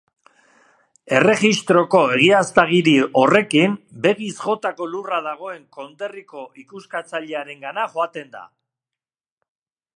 Erregistroko egiaztagiri horrekin, begiz jotako lurra dagoen konderriko ikuskatzailearengana joaten da.